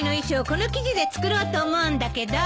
この生地で作ろうと思うんだけど。